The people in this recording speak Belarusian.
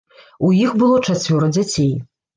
У іх было чацвёра дзяцей.